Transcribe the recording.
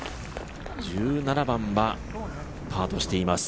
１７番はパーとしています。